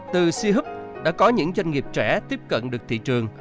từ c hub đã có những doanh nghiệp trẻ tiếp cận được thị trường